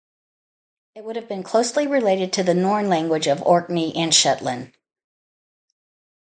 It would have been closely related to the Norn language of Orkney and Shetland.